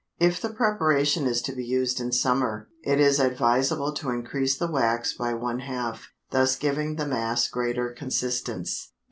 If the preparation is to be used in summer, it is advisable to increase the wax by one half, thus giving the mass greater consistence.